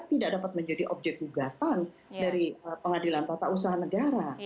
tidak dapat menjadi objek gugatan dari pengadilan tata usaha negara